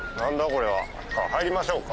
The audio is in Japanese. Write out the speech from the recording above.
これは入りましょうか。